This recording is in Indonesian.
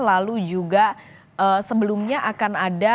lalu juga sebelumnya akan ada